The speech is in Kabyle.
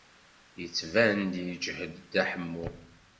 Yettban-d yeǧhed Dda Ḥemmu.